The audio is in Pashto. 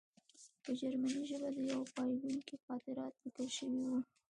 په جرمني ژبه د یوه بایلونکي خاطرات لیکل شوي وو